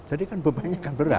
jadi kan bebannya kan berat